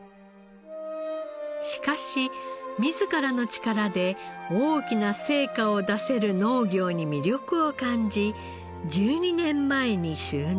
しかし自らの力で大きな成果を出せる農業に魅力を感じ１２年前に就農。